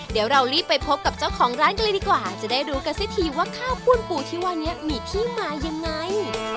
เดี๋ยวเรารีบไปพบกับเจ้าของร้านกันเลยดีกว่าจะได้รู้กันซิทีว่าข้าวป้วนปูที่ว่านี้มีที่มายังไง